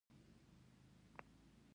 اوبه د ورزشي کسانو اړتیا ده